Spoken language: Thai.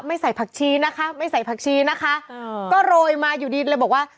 ใส่ผักชีนะคะไม่ใส่ผักชีนะคะก็โรยมาอยู่ดีเลยบอกว่า